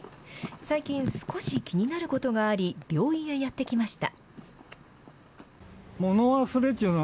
最近、少し気になることがあり、病院へやって来ました。